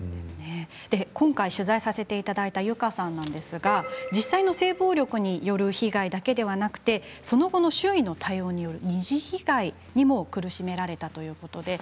今回取材させていただいたゆかさんなんですが実際の性暴力による被害だけではなくその後の周囲の対応によって二次被害にも苦しめられたということなんです。